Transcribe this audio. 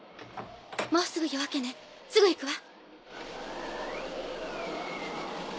もうすぐ夜明けねすぐ行くわ。